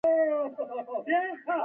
زاړه ښار ته لاړو.